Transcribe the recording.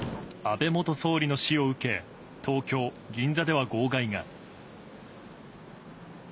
安倍元総理の死を受け、東京・銀座では号外が。